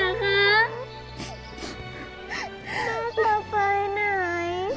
น้องจะไปไหน